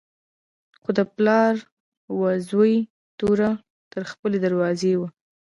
خو د پلار و زوی توره تر خپلې دروازې وه.